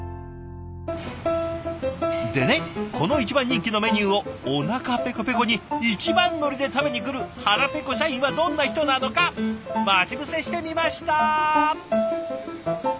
でねこの一番人気のメニューをおなかペコペコに一番乗りで食べに来る腹ペコ社員はどんな人なのか待ち伏せしてみました！